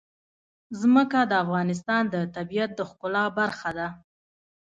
ځمکه د افغانستان د طبیعت د ښکلا برخه ده.